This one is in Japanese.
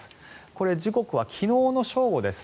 これ、時刻は昨日の正午です。